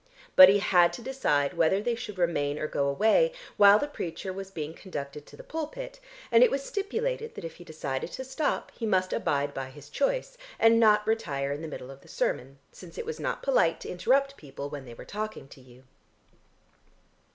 But he had to decide whether they should remain or go away while the preacher was being conducted to the pulpit, and it was stipulated that if he decided to stop he must abide by his choice and not retire in the middle of the sermon, since it was not polite to interrupt people when they were talking to you.